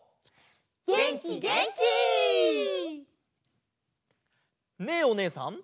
げんきげんき！ねえおねえさん